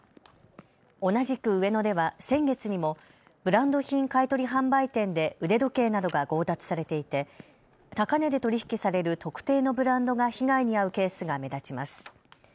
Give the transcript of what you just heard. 同じく上野では先月にもブランド品買い取り販売店で腕時計などが強奪されていて高値で取り引きされる特定のブランドが被害に遭うケースが目立ちます。